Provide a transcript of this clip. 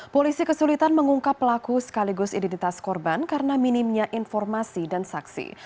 polisi kesulitan mengungkap pelaku sekaligus identitas korban karena minimnya informasi dan saksi